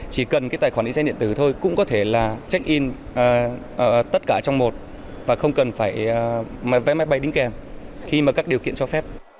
chỉ cần cái tài khoản định danh điện tử thôi cũng có thể là check in tất cả trong một và không cần phải vé máy bay đính kèm khi mà các điều kiện cho phép